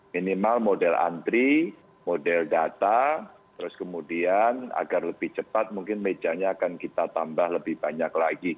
minimal model antri model data terus kemudian agar lebih cepat mungkin mejanya akan kita tambah lebih banyak lagi